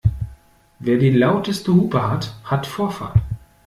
Wer die lauteste Hupe hat, hat Vorfahrt.